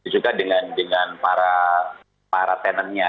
juga dengan para tenennya